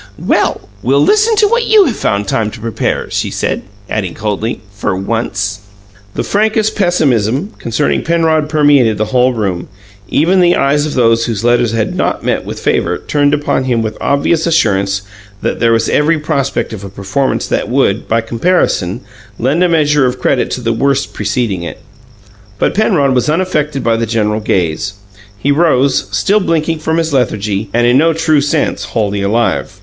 "Well, we'll listen to what you've found time to prepare," she said, adding coldly, "for once!" The frankest pessimism concerning Penrod permeated the whole room; even the eyes of those whose letters had not met with favour turned upon him with obvious assurance that here was every prospect of a performance that would, by comparison, lend a measure of credit to the worst preceding it. But Penrod was unaffected by the general gaze; he rose, still blinking from his lethargy, and in no true sense wholly alive.